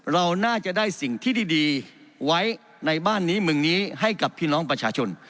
เราน่าจะได้สิ่งที่ดีไว้ในบ้านนี้เมืองนี้ให้กับพี่น้องประชาชน